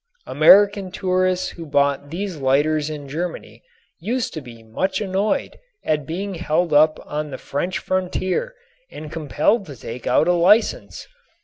American tourists who bought these lighters in Germany used to be much annoyed at being held up on the French frontier and compelled to take out a license.